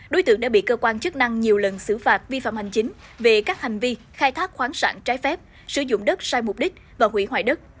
đối tượng đã bị cơ quan chức năng nhiều lần xử phạt vi phạm hành chính về các hành vi khai thác khoáng sản trái phép sử dụng đất sai mục đích và hủy hoại đất